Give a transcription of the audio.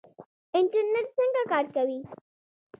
انټرنیټ څنګه کار کوي؟